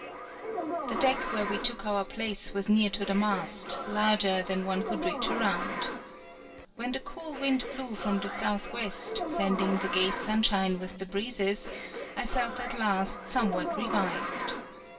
The deck where we took our place was near to the mast, larger than one could reach around. When the cool wind blew from the southwest, sending the gay sunshine with the breezes, I felt at last somewhat revived.